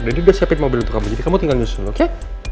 daddy udah siapin mobil untuk kamu jadi kamu tinggal nyusul oke